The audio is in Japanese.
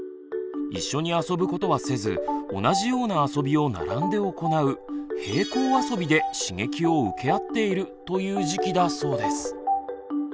一緒に遊ぶことはせず同じような遊びを並んで行う平行遊びで刺激を受け合っているという時期だそうです。